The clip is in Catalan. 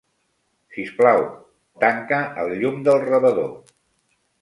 Sisplau, tanca el llum del rebedor.